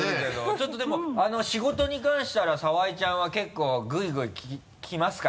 ちょっとでも仕事に関したら澤井ちゃんは結構グイグイ来ますか？